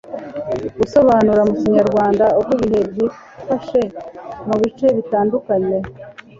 gusobanura mu kinyarwanda uko ibihe byifashe mu bice bitandukanye